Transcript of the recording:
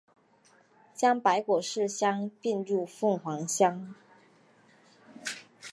将白果市乡并入凤凰乡。